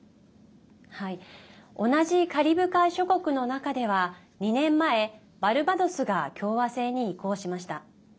同じカリブ海諸国の中では２年前、バルバドスが共和制に移行しました。